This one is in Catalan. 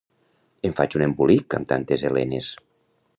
Em faig un embolic amb tantes Elenes!